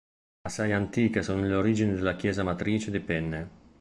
Assai antiche sono le origini della chiesa matrice di Penne.